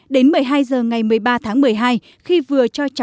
đến một mươi hai h ngày một mươi ba tháng một mươi hai khi vừa cho cháu